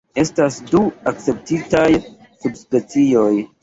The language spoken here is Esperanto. Estas du akceptitaj subspecioj.